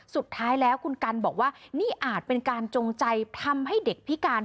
สุดท้ายแล้วคุณกันบอกว่านี่อาจเป็นการจงใจทำให้เด็กพิการ